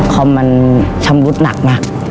คอมมันชำรุดหนักมาก